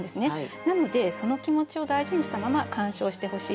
なのでその気持ちを大事にしたまま鑑賞してほしいと思います。